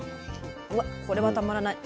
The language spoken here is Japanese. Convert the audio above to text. うわっこれはたまらない。